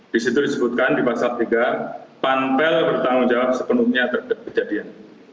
disitu disebutkan di pasal tiga pantel bertanggung jawab sepenuhnya terhadap kejadian